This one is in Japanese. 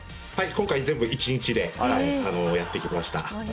今回全部１日でやってきました。